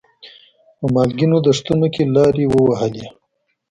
په مالګینو دښتونو کې لارې ووهلې.